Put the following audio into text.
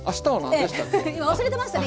ええ今忘れてましたね